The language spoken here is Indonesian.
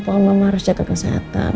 pokoknya mama harus jatuh ke kesehatan